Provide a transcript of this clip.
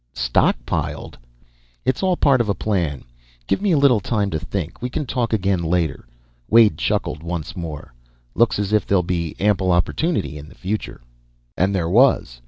"Stockpiled?" "It's all part of a plan. Give me a little time to think. We can talk again, later." Wade chuckled once more. "Looks as if there'll be ample opportunity in the future." And there was.